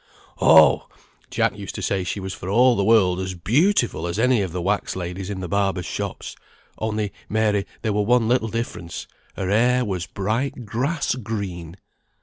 "Oh! Jack used to say she was for all the world as beautiful as any of the wax ladies in the barbers' shops; only, Mary, there were one little difference: her hair was bright grass green."